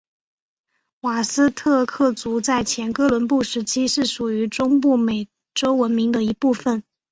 瓦斯特克族在前哥伦布时期是属于中部美洲文明的一部份。